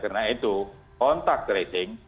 karena itu kontak tracing